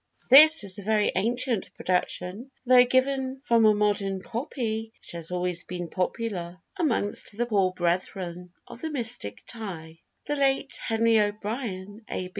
[THIS is a very ancient production, though given from a modern copy; it has always been popular amongst the poor 'brethren of the mystic tie.' The late Henry O'Brien, A.